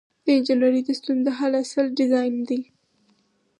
د انجنیری د ستونزو د حل اصل ډیزاین دی.